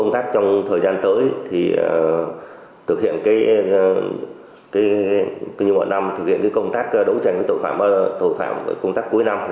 trong thời gian tới thực hiện công tác đấu tranh với tội phạm cuối năm